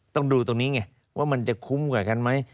ต้องดูตรงนี้ไงว่ามันจะคุ้มกว่ากันไหม